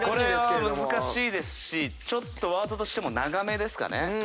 これは難しいですしワードとしても長めですかね。